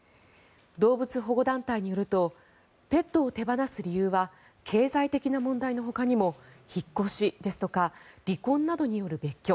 動物保護団体によるとペットを手放す理由は経済的な問題のほかにも引っ越しですとか離婚などによる別居